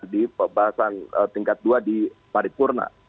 di pembahasan tingkat dua di paripurna